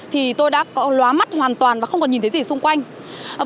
thì tôi đã có lóa mắt hoàn toàn và không còn nhìn thấy gì xung quanh